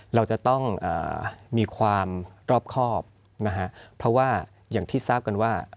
เราจะต้องมีความรอบครอบนะฮะเพราะว่าอย่างที่ทราบกันว่า